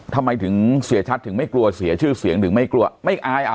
ทำไมถึงเสียชัดถึงไม่กลัวเสียชื่อเสียงถึงไม่กลัวไม่อายอ่ะ